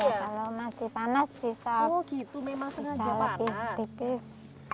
iya kalau masih panas bisa lebih tipis